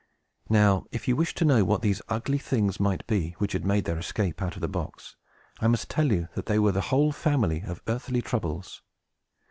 Now, if you wish to know what these ugly things might be, which had made their escape out of the box, I must tell you that they were the whole family of earthly Troubles.